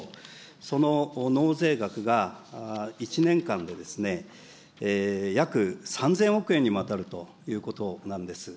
その納税額が１年間でですね、約３０００億円にもわたるということなんです。